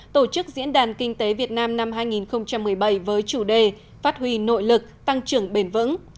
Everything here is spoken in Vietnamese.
tổ chức diễn đàn kinh tế việt nam năm hai nghìn một mươi bảy với chủ đề phát huy nội lực tăng trưởng bền vững